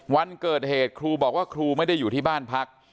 วันเกิดเหตุครูบอกว่าครูไม่ได้อยู่ที่บ้านพัก